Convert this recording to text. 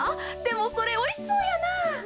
でもそれおいしそうやな。